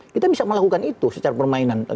kita bisa melakukan itu secara permainan